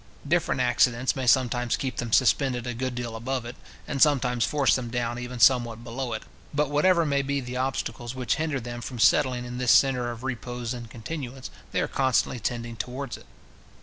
Different accidents may sometimes keep them suspended a good deal above it, and sometimes force them down even somewhat below it. But whatever may be the obstacles which hinder them from settling in this centre of repose and continuance, they are constantly tending towards it.